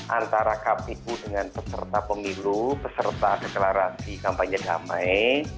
antara kpu dengan peserta pemilu peserta deklarasi kampanye damai